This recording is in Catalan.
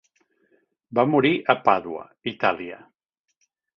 Va morir a Pàdua, Itália.